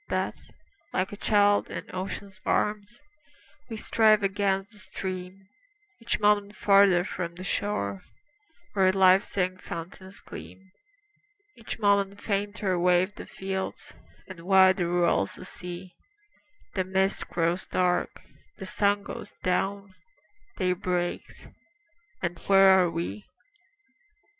But, like a child in ocean's arms, We strive against the stream, Each moment farther from the shore Where life's young fountains gleam; Each moment fainter wave the fields, And wider rolls the sea; The mist grows dark, the sun goes down, Day breaks, and where are we?